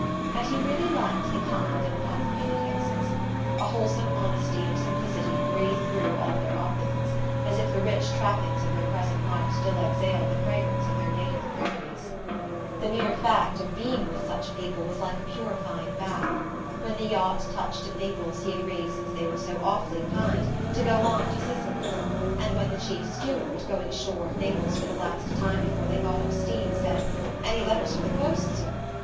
And he really liked the kind uncomplicated Hickses. A wholesome honesty and simplicity breathed through all their opulence, as if the rich trappings of their present life still exhaled the fragrance of their native prairies. The mere fact of being with such people was like a purifying bath. When the yacht touched at Naples he agreed since they were so awfully kind to go on to Sicily. And when the chief steward, going ashore at Naples for the last time before they got up steam, said: "Any letters for the post, sir?"